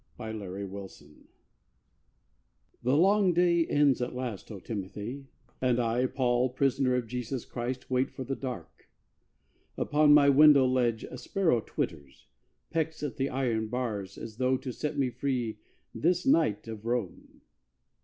PAUL TO TIMOTHY The long day ends at last, O Timothy, And I, Paul, prisoner of Jesus Christ, Wait for the dark. Upon my window ledge A sparrow twitters, pecks at the iron bars As though to set me free this night of Rome.